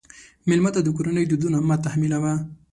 مېلمه ته د کورنۍ دودونه مه تحمیلوه.